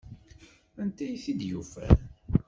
Anta ay t-id-yufan?